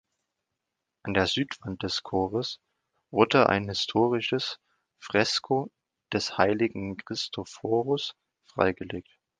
An der Südwand des Chores wurde ein historisches Fresko des heiligen Christophorus freigelegt.